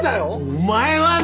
お前はね！